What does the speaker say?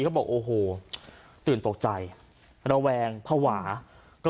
บางสแก่อำเภอบางคนทีเขาบอกโอ้โหตื่นตกใจระแวงภาวะก็